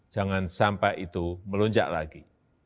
jangan sampai itu melonjak lagi